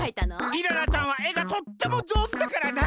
イララちゃんは絵がとってもじょうずだからな。